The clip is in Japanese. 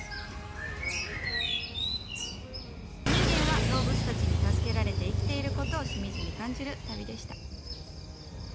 人間は動物たちに助けられて生きていることをしみじみ感じる旅でした。